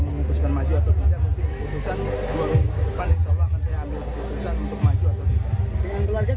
perkembangan dalam kematian pariwisata